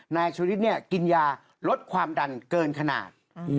นายชุวิตกินยาลดความดันเกินขนาด